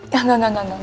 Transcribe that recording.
ya enggak enggak enggak